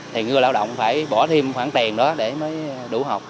thì người lao động phải bỏ thêm khoản tiền đó để mới đủ học